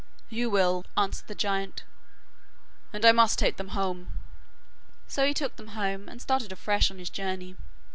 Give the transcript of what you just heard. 'You will,' answered the giant, 'and I must take them home.' So he took them home, and started afresh on his journey.